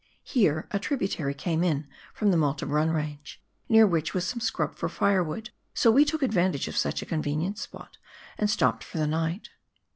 Here a tributary came in from the Malte Brun Range, near which was some scrub for firewood, so we took advantage of such a convenient spot and stopped for the night.